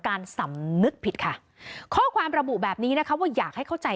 สำนึกผิดค่ะข้อความระบุแบบนี้นะคะว่าอยากให้เข้าใจ